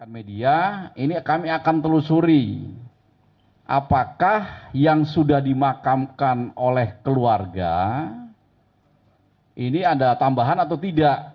media ini kami akan telusuri apakah yang sudah dimakamkan oleh keluarga ini ada tambahan atau tidak